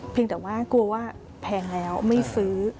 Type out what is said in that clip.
แต่ว่ากลัวว่าแพงแล้วไม่ซื้อ